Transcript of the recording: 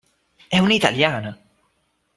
È un'italiana